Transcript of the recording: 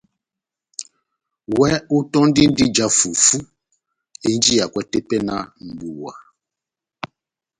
Iwɛ ótɔndindi ija fufú enjiyakwɛ tepɛhɛ náh mʼbuwa